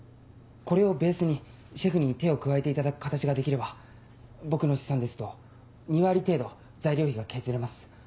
これをベースにシェフに手を加えていただく形ができれば僕の試算ですと２割程度材料費が削れます。